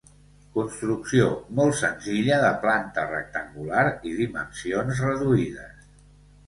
Construcció molt senzilla de planta rectangular i dimensions reduïdes.